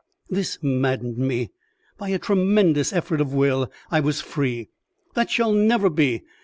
This maddened me. By a tremendous effort of will I was free. "That shall never be.